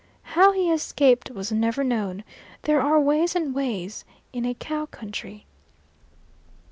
How he escaped was never known; there are ways and ways in a cow country.